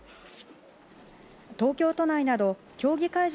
東京都内など競技会場